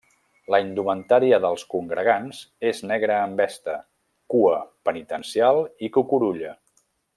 La indumentària dels congregants és negra amb vesta, cua penitencial i cucurulla.